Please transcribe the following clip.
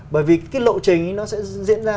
bởi vì cái lộ trình nó sẽ diễn ra